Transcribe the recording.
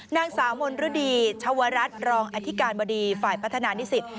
นางสาวมนฤดีชาวรัฐรองอธิการบดีฝ่ายพัฒนานิสิต